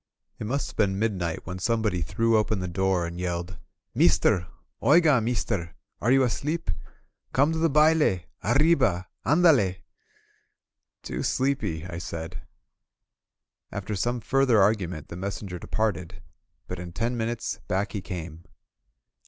It must have been midnight when somebody threw open the door and yelled : "Meester ! Oiga^ meester ! Are you asleep ? Come to the baile! Arriba! AnddUr* "Too sleepy !" I said. After some further argument the messenger departed, but in ten minutes back he came.